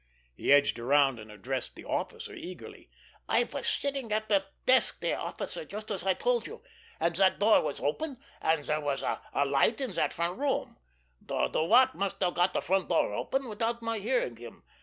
He edged around and addressed the officer eagerly. "I was sitting at the desk there, officer, just as I told you, and that door was open, and there was a light in that front room. The Wop must have got the front door open without my hearing him.